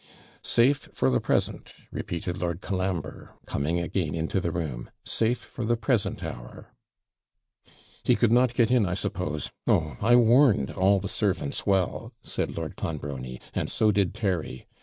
'Safe for the present!' repeated Lord Colambre, coming again into the room. 'Safe for the present hour.' 'He could not get in, I suppose oh, I warned all the servants well,' said Lord Clonbrony,' and so did Terry.